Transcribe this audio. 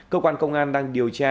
cơ quan công an đang điều tra